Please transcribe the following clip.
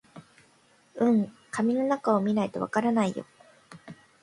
うん、紙の中を見ないとわからないよ